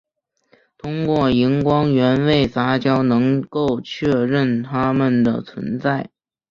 通过荧光原位杂交能够确认它们的存在。